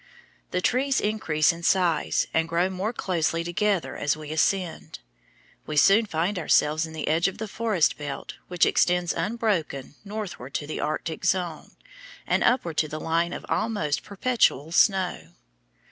The trees increase in size and grow more closely together as we ascend. We soon find ourselves in the edge of the forest belt which extends unbroken northward to the arctic zone, and upward to the line of almost perpetual snow.